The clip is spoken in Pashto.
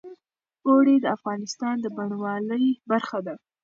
اوړي د افغانستان د بڼوالۍ برخه ده.